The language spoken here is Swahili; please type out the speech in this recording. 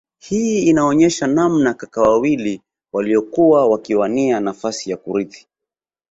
Hii inaonesha namna kaka wawili waliokuwa wakiwania nafasi ya kurithi